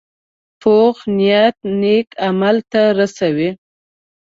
پوخ نیت نیک عمل ته رسوي